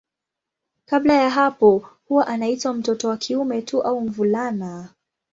Kabla ya hapo huwa anaitwa mtoto wa kiume tu au mvulana.